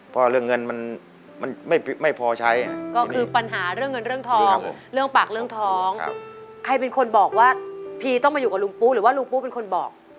เพราะเรื่องเงินมันไม่พอใช้ก็คือปัญหาเรื่องเงินเรื่องทองเรื่องปากเรื่องท้องใครเป็นคนบอกว่าพีต้องมาอยู่กับลุงปุ๊หรือว่าลุงปุ๊เป็นคนบอก